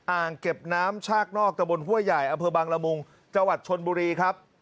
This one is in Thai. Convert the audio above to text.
อ่างเก็บน้ำชาตินอกจากบนห้วยใหญ่อเภอบังระมุงจวัดชนบุรีครับ